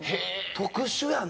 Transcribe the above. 特殊やな！